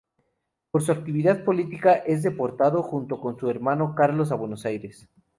Por su actividad política, es deportado junto con su hermano Carlos a Buenos Aires.